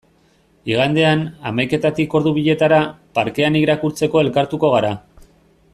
Igandean, hamaiketatik ordu bietara, parkean irakurtzeko elkartuko gara.